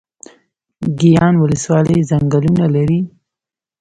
ګیان ولسوالۍ ځنګلونه لري؟